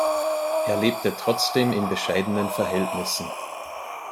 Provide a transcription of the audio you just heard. Er lebte trotzdem in bescheidenen Verhältnissen.